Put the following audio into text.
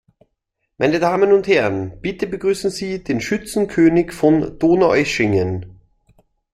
Meine Damen und Herren, bitte begrüßen Sie den Schützenkönig von Donaueschingen!